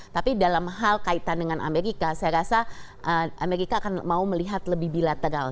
tapi dalam hal kaitan dengan amerika saya rasa amerika akan mau melihat lebih bilateral